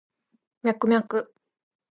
ミャクミャク